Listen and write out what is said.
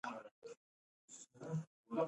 په کور کې ښه اخلاق د کورنۍ د قوت سبب ګرځي.